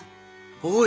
おい！